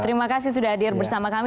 terima kasih sudah hadir bersama kami